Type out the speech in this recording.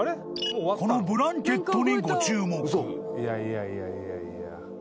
［このブランケットにご注目］